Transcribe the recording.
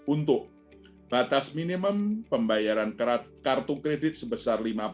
untuk batas minimum pembayaran kartu kredit sebesar lima puluh